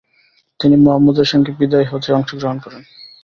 তিনি মুহাম্মাদ এর সঙ্গে বিদায় হজ্বে অংশগ্রহণ করেন।